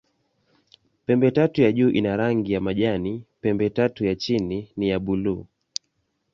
Pembetatu ya juu ina rangi ya majani, pembetatu ya chini ni ya buluu.